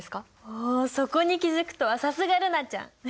おおそこに気付くとはさすが瑠菜ちゃん！